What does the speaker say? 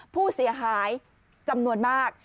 ผู้เสียหายจำนวนมาก